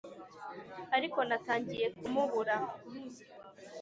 ariko natangiye kumubura